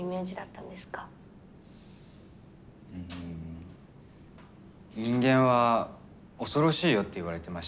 うん人間は恐ろしいよって言われてました。